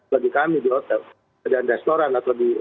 bagi kami di hotel dan restoran